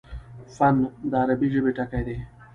فن: د عربي ژبي ټکی دﺉ.